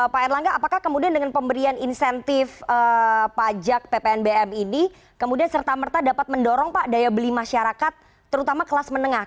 pak erlangga apakah kemudian dengan pemberian insentif pajak ppnbm ini kemudian serta merta dapat mendorong pak daya beli masyarakat terutama kelas menengah